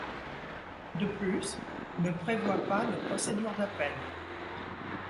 De plus, ne prévoit pas de procédure d’appel.